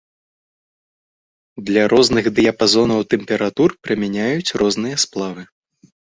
Для розных дыяпазонаў тэмператур прымяняюць розныя сплавы.